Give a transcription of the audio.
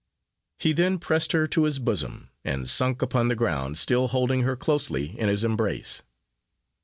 He then pressed her to his bosom, and sunk upon the ground, still holding her closely in his embrace.